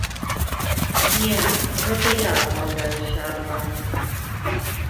Не, гэта я адмаўляюся ад вас.